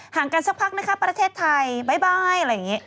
กันสักพักนะคะประเทศไทยบ๊ายอะไรอย่างนี้